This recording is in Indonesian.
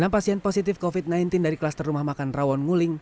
enam pasien positif covid sembilan belas dari kluster rumah makan rawon nguling